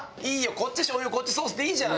こっち醤油こっちソースでいいじゃん。